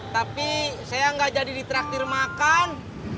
tapi saya nggak jadi ditraktir makan